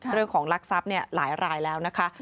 เรื่องของลักษัพหลายแล้วนะคะ